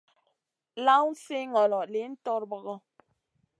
Lawn si ŋolo, lihn torbogo.